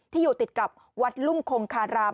อยู่ติดกับวัดลุ่มคงคาราม